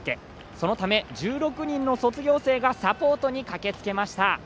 そのため、１６人の卒業生がサポートに駆けつけました。